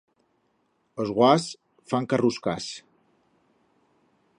Os buas fan carruscas.